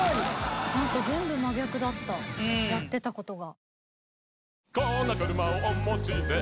何か全部真逆だったやってたことが。